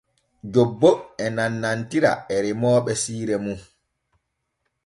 Jobbo e nanantira e remooɓe siire nun.